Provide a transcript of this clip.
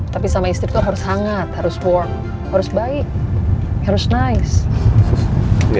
tapi sama istri itu harus hangat harus work harus baik harus nice